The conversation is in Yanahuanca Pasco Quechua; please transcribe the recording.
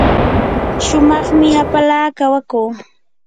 shumaqmi hapala kawakuu.